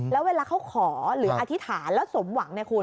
แล้วเวลาเขาขอหรือการอธิบายแล้วสมหวัง